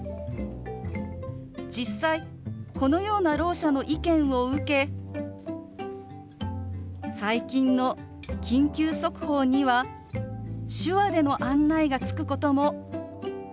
実際このようなろう者の意見を受け最近の緊急速報には手話での案内がつくことも増えてきました。